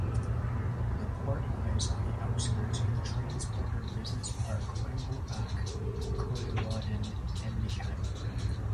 The port lies on the outskirts of the trans-border business park Europark Coevorden-Emlichheim.